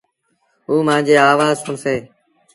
او مآݩجيٚ آوآز سُڻسيݩ